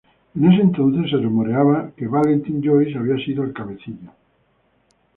En ese entonces se rumoreaba que Valentine Joyce había sido el cabecilla.